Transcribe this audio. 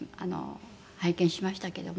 拝見しましたけども。